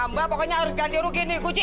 sama mbak pokoknya harus ganti rugi ini kunci